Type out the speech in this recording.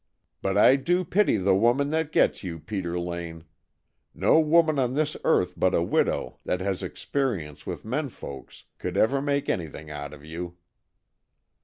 But I do pity the woman that gets you, Peter Lane! No woman on this earth but a widow that has had experience with men folks could ever make anything out of you."